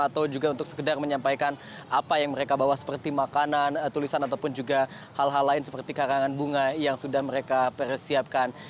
atau juga untuk sekedar menyampaikan apa yang mereka bawa seperti makanan tulisan ataupun juga hal hal lain seperti karangan bunga yang sudah mereka persiapkan